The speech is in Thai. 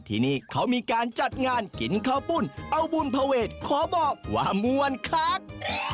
ที่นี่เขามีการจัดงานกินข้าวปุ้นเอาบุญภเวทขอบอกว่ามวลคัก